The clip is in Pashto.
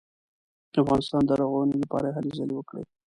د افغانستان د رغونې لپاره یې هلې ځلې وکړې.